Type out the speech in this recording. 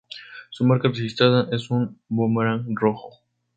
Su marca registrada es un boomerang rojo.